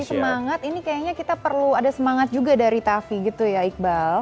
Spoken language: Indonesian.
biar kita lebih semangat ini kayaknya kita perlu ada semangat juga dari taffy gitu ya iqbal